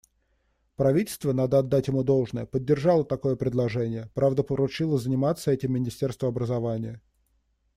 Правительство, надо отдать ему должное, поддержало такое предложение, правда, поручило заниматься этим Министерству образования.